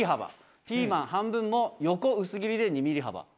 ピーマン半分も横薄切りで２ミリ幅。